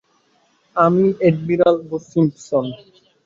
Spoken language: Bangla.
আমি এডমিরাল বো সিম্পসন।